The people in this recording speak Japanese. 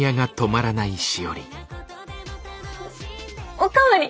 おお代わり！